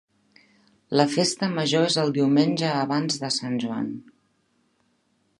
La festa major és el diumenge abans de Sant Joan.